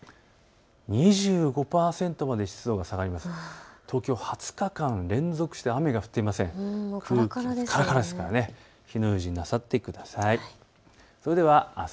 ２５％まで湿度が下がります。